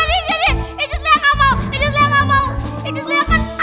ini saya tidak mau